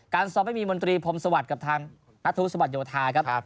ซ้อมไม่มีมนตรีพรมสวัสดิ์กับทางนัทธุสวัสโยธาครับ